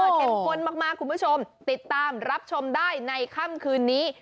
เข้มข้นมากคุณผู้ชมติดตามรับชมได้ในค่ำคืนนี้